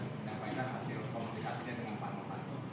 menyampaikan hasil komunikasinya dengan pak novanto